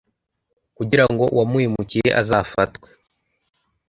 kugira ngo uwamuhemukiye azafatwe